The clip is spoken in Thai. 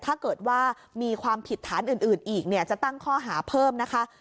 ถ้าเกิดว่ามีความผิดฐานอื่นอีกเนี่ยจะตั้งข้อหาเพิ่มนะคะ